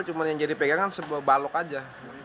cuma yang jadi pegangan sebalok saja